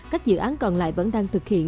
các dự án còn lại vẫn đang thực hiện